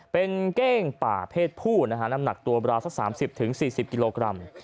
เป็นเก้งป่าเพศผู้นะฮะน้ำหนักตัวเวลาสักสามสิบถึงสี่สิบกิโลกรัม